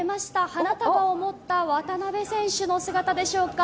花束を持った渡邊選手の姿でしょうか。